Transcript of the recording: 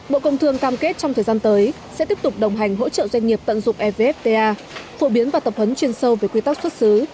bộ công thương cam kết trong thời gian tới sẽ tiếp tục đồng hành hỗ trợ doanh nghiệp tận dụng evfta phổ biến và tập hấn chuyên sâu về quy tắc xuất xứ